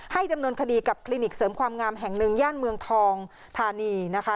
ดำเนินคดีกับคลินิกเสริมความงามแห่งหนึ่งย่านเมืองทองธานีนะคะ